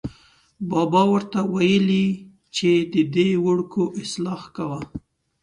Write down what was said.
بابا ور ته ویلې چې ددې وړکو اصلاح کوه.